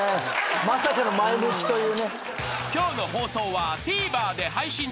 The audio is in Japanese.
まさかの前向きという。